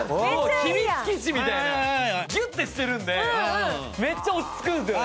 秘密基地みたいな、ギュッってしてるで、めっちゃ落ち着くんですよね。